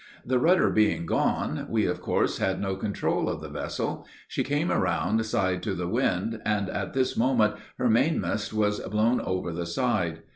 The rudder being gone, we of course had no control of the vessel. She came around side to the wind, and at this moment her mainmast was blown over the side.